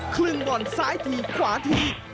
ครึ่งบ่อนซ้ายทีขวาที